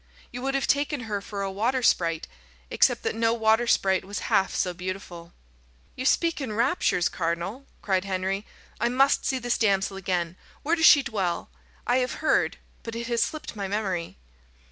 You would have taken her for a water sprite, except that no water sprite was half so beautiful." "You speak in raptures, cardinal," cried Henry. "I must see this damsel again. Where does she dwell? I have heard, but it has slipped my memory."